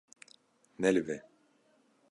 Nelive.